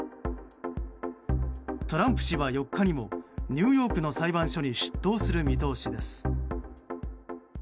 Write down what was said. トランプ氏は４日にもニューヨークの裁判所に出頭する見通しです。